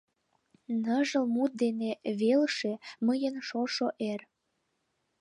Ныжыл мут ден велше Мыйын шошо эр.